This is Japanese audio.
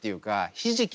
ひじき。